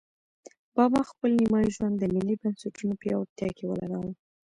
بابا خپل نیمایي ژوند د ملي بنسټونو پیاوړتیا کې ولګاوه.